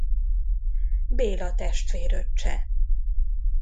Béla testvéröccse.